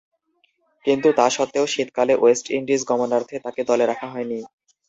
কিন্তু, তাসত্ত্বেও শীতকালে West Indies গমনার্থে তাকে দলে রাখা হয়নি।